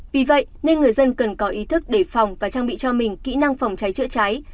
vì vậy nên người dân cần có ý thức để phòng và trang bị cho mình kỹ năng phòng cháy chữa cháy